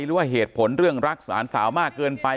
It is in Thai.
หรือว่าเหตุผลเรื่องรักหลานสาวมากเกินไป